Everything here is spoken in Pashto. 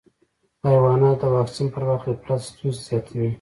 د حیواناتو د واکسین پر وخت غفلت ستونزې زیاتوي.